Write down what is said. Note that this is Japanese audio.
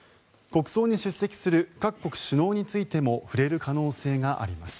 国葬に出席する各国首脳についても触れる可能性があります。